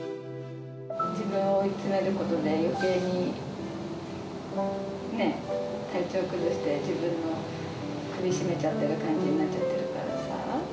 自分を追い詰めることで、よけいに、ね、体調崩して、自分の首絞めちゃってる感じになっちゃってるから。